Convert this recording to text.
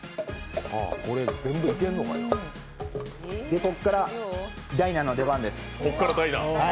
ここからダイナの出番です。